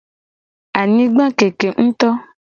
Anyigba keke nguto.